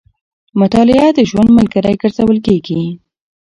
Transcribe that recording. مطالعه د ژوند ملګری ګرځول کېږي.